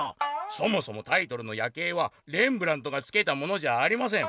「そもそもタイトルの『夜警』はレンブラントがつけたものじゃありません！」。